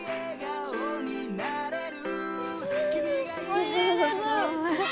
うんおいしいです。